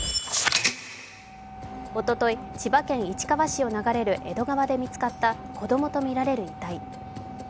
おととい、千葉県市川市を流れる江戸川で見つかった子どもとみられる遺体。